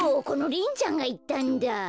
このリンちゃんがいったんだ。